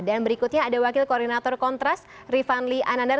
dan berikutnya ada wakil koordinator kontras rifanli anandar